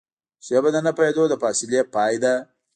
ژبه د نه پوهېدو د فاصلې پای ده